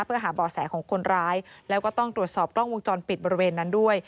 เพื่อหาบ่อแสของคนร้ายแล้วก็ต้องตรวจสอบกล้องวงจรปิดบริเวณนั้นด้วย